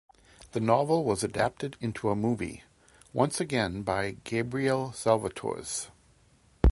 The novel was adapted into a movie, once again by Gabriele Salvatores.